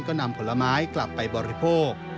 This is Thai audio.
ก็นำผลไม้กลับไปบริโภค